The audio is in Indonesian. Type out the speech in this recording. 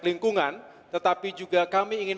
lingkungan tetapi juga kami ingin